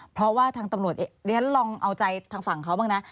เพราะว่าทางตำรวจเดี๋ยวฉันลองเอาใจทางฝั่งเขาบ้างนะ